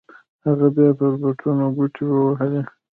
هغه بيا پر بټنو گوټې ووهلې.